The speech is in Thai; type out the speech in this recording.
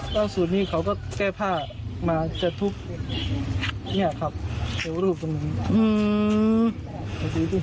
ล่าสุดนี่เขาก็แก้ผ้ามาจะทุกเนี้ยครับเห็นว่ารูปตรงนี้อืม